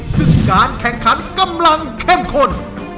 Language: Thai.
ซึ่งการแข่งขันกำลังเข้มข้น